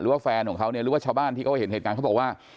รู้ว่าชาวบ้านที่ก็เห็นเหตุการณ์เขาบอกว่า